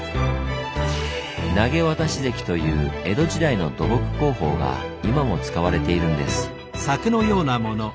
「投渡堰」という江戸時代の土木工法が今も使われているんです。